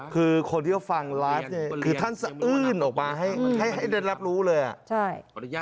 คือคนที่จะฟังร้านนี้คือท่านจะอื่นลงมาให้ได้รับรู้เลย